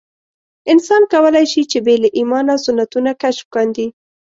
انسان کولای شي چې بې له ایمانه سنتونه کشف کاندي.